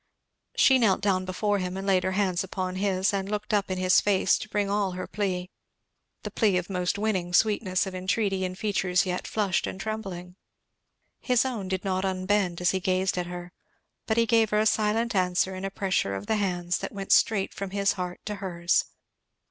She knelt down before him and laid her hands upon his and looked up in his face to bring all her plea; the plea of most winning sweetness of entreaty in features yet flushed and trembling. His own did not unbend as he gazed at her, but he gave her a silent answer in a pressure of the hands that went straight from his heart to hers.